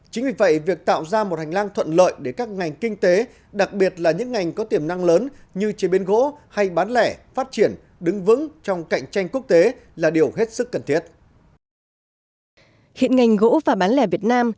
chính vì vậy việc tạo ra một hành lang thuận lợi để các ngành kinh tế đặc biệt là những ngành có tiềm năng lớn như chế biến gỗ hay bán lẻ phát triển đứng vững trong cạnh tranh quốc tế là điều hết sức cần thiết